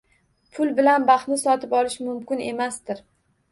Pul bilan baxtni sotib olish mumkin emasdir.